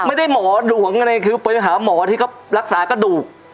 ไม่ได้หมอดุของกันเลยคือไปหาหมอที่รักษากระดูก